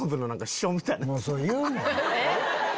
それ言うな。